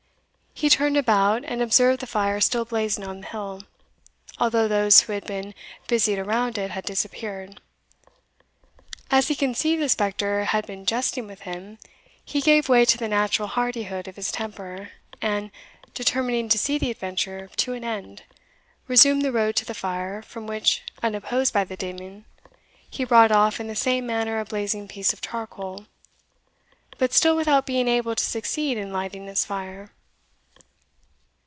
He turned about, and observed the fire still blazing on the hill, although those who had been busied around it had disappeared. As he conceived the spectre had been jesting with him, he gave way to the natural hardihood of his temper, and, determining to see the adventure to an end, resumed the road to the fire, from which, unopposed by the demon, he brought off in the same manner a blazing piece of charcoal, but still without being able to succeed in lighting his fire.